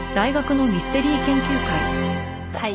はい。